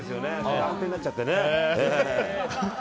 暗転になっちゃってね。